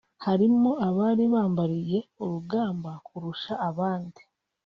harimo abari bambariye urugamba kurusha abandi